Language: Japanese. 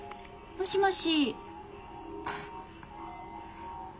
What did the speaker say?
もしもし。